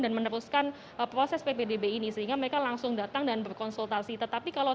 dan meneruskan proses ppdb ini sehingga mereka langsung datang dan berkonsultasi tetapi kalau